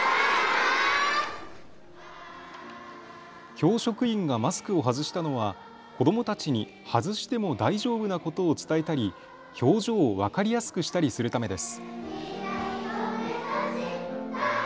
教職員がマスクを外したのは子どもたちに外しても大丈夫なことを伝えたり表情を分かりやすくしたりするためです。